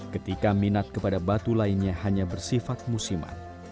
ketika minat kepada batu lainnya hanya bersifat musiman